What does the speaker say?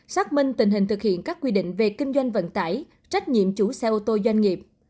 xác minh tình hình thực hiện các quy định về kinh doanh vận tải trách nhiệm chủ xe ô tô doanh nghiệp